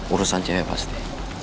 urusan cewek pasti